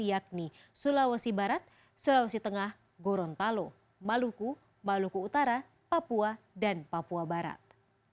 yakni sulawesi barat sulawesi tengah gorontalo maluku maluku utara papua dan papua barat